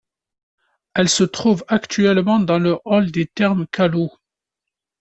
Elle se trouve actuellement dans le hall des thermes Callou.